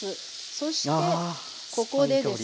そしてここでですね